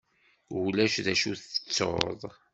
Ulac d acu i tettuḍ?